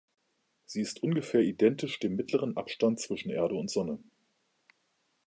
Sie ist ungefähr identisch dem mittleren Abstand zwischen Erde und Sonne.